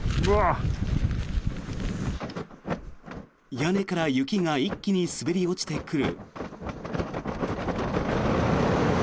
屋根から雪が一気に滑り落ちてくる。